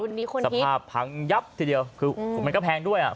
รุ่นนี้ควรฮิตสภาพพังยับทีเดียวคือมันก็แพงด้วยอ่ะ